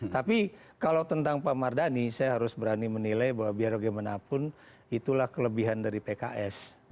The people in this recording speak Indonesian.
tapi kalau tentang pak mardhani saya harus berani menilai bahwa biar bagaimanapun itulah kelebihan dari pks